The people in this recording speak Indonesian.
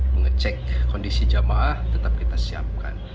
mengecek kondisi jamaah tetap kita siapkan